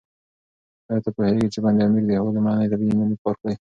ایا ته پوهېږې چې بند امیر د هېواد لومړنی طبیعي ملي پارک دی؟